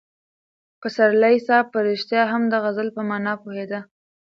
پسرلي صاحب په رښتیا هم د غزل په مانا پوهېده.